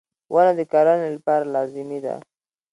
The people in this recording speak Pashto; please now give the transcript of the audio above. • ونه د کرنې لپاره لازمي ده.